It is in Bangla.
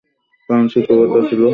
কারণ শিক্ষকতা ছিল তাঁর স্বভাবসংগত।